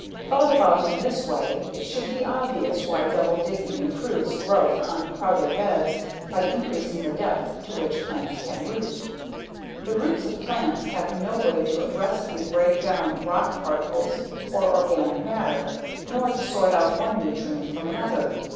Thought about in this way, it should be obvious why double digging improves growth on crowded beds by increasing the depth to which plants can root. The roots of plants have no way to aggressively breakdown rock particles or organic matter, nor to sort out one nutrient from another.